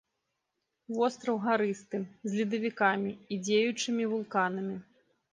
Востраў гарысты, з ледавікамі і дзеючымі вулканамі.